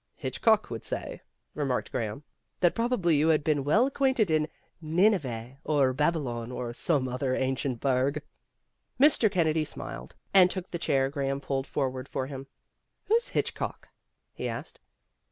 "Hitchcock would say," remarked Graham, '' that probably you had been well acquainted in Nineveh or Babylon or some other ancient burg." Mr. Kennedy smiled, and took the chair Graham had pulled forward for him. "Who's Hitchcock?" he asked.